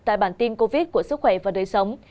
tại bản tin covid của sức khỏe và đời sống